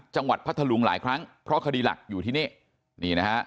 จังหวัดพัทธลุงหลายครั้งเพราะคดีหลักอยู่ที่นี่